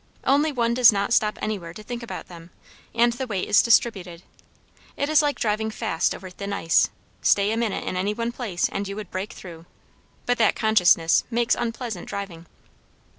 Only one does not stop anywhere to think about them, and the weight is distributed. It is like driving fast over thin ice; stay a minute in any one place, and you would break through. But that consciousness makes unpleasant driving.